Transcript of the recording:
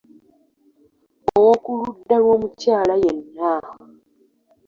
Ow’okuludda lw’omukyala yenna.